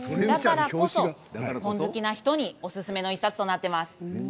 だからこそ本好きな人におすすめの１冊になっています。